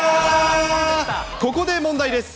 ここで問題です。